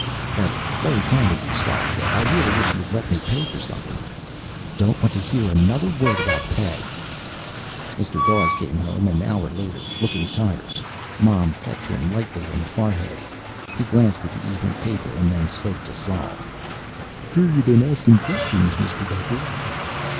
"That's very kind of you," Sol said. "I really wish you'd let me pay something " "Don't want to hear another word about pay." Mr. Dawes came home an hour later, looking tired. Mom pecked him lightly on the forehead. He glanced at the evening paper, and then spoke to Sol. "Hear you been asking questions, Mr. Becker."